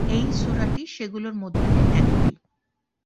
এই সূরাটি সেগুলোর মধ্যে একটি।